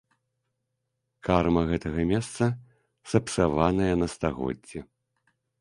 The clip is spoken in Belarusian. Карма гэтага месца сапсаваная на стагоддзі.